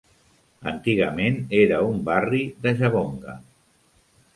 Antigament era un "barri" de Jabonga.